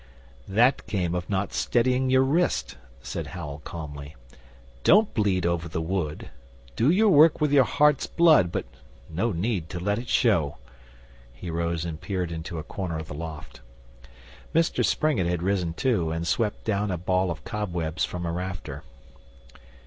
'That came of not steadying your wrist,' said Hal calmly. 'Don't bleed over the wood. Do your work with your heart's blood, but no need to let it show.' He rose and peered into a corner of the loft. Mr Springett had risen too, and swept down a ball of cobwebs from a rafter.